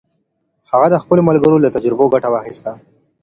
هغه د خپلو ملګرو له تجربو ګټه واخیسته.